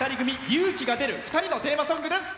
勇気が出る２人のテーマソングです。